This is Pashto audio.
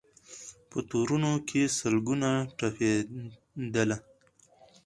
په تورونو کي سل ګونه تپېدله